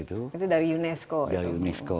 itu dari unesco